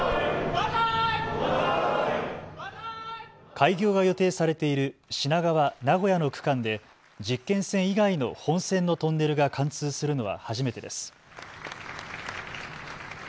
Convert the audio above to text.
開業が予定されている品川・名古屋の区間で実験線以外の本線のトンネルが貫通するのは初めてです。